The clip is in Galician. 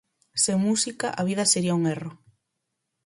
Sen música a vida sería un erro.